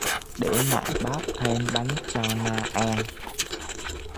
Để mẹ bóc thêm bánh cho Na ăn